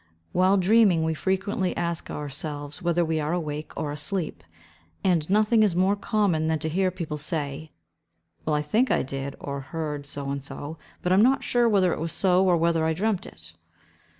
While dreaming, we frequently ask ourselves whether we are awake or asleep; and nothing is more common than to hear people say, "Well, I think I did, or heard, so and so; but I am not sure whether it was so, or whether I dreamt it."